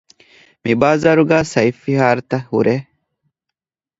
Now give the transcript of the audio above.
މިބާޒާރުގައި ސައިފިހާރަތައް ހުރޭ